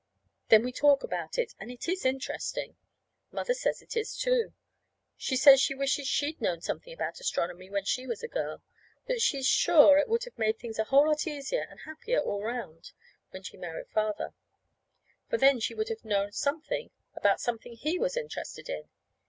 Then we talk about it. And it is interesting. Mother says it is, too. She says she wishes she'd known something about astronomy when she was a girl; that she's sure it would have made things a whole lot easier and happier all around, when she married Father; for then she would have known something about something he was interested in.